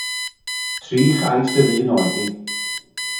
Tri chais yr un oedd hi.